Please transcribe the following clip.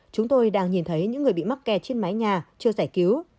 chúng tôi đang nhìn thấy những người bị mắc kẹt trên mái nhà chưa giải cứu